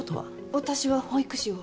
私は保育士を。